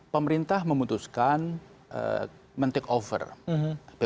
pemerintah memutuskan men take over bumn untuk menjalannya